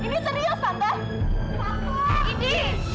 ini serius tante